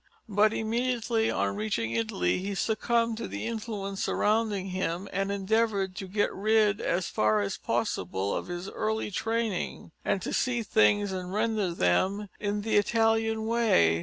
But immediately on reaching Italy he succumbed to the influences surrounding him, and endeavoured to get rid as far as possible of his early training, and to see things and render them in the Italian way.